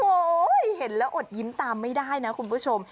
โอ้โหเห็นแล้วอดยิ้มตามไม่ได้นะคุณผู้ชม